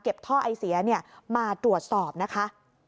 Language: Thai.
ท่อไอเสียมาตรวจสอบนะคะ